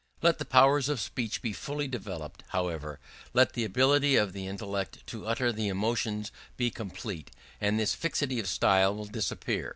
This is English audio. Let the powers of speech be fully developed, however let the ability of the intellect to utter the emotions be complete; and this fixity of style will disappear.